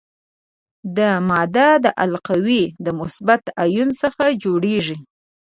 دا ماده د القلیو د مثبت آیون څخه جوړیږي.